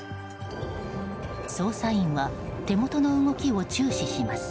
捜査員は手元の動きを注視します。